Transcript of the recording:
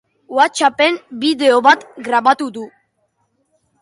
Whatsappen bideo bat grabatu du.